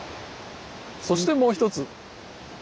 そしてもう一つ。